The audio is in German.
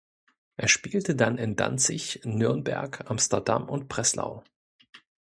Er spielte dann in Danzig, Nürnberg, Amsterdam und Breslau.